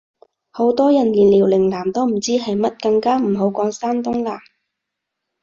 好多人連遼寧艦都唔知係乜，更加唔好講山東艦